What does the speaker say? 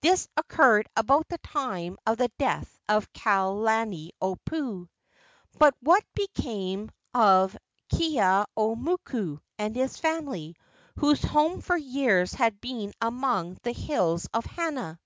This occurred about the time of the death of Kalaniopuu. But what became of Keeaumoku and his family, whose home for years had been among the hills of Hana?